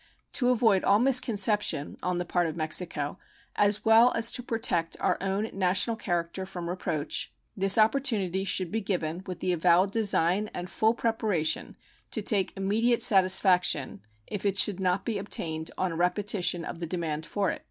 To avoid all misconception on the part of Mexico, as well as to protect our own national character from reproach, this opportunity should be given with the avowed design and full preparation to take immediate satisfaction if it should not be obtained on a repetition of the demand for it.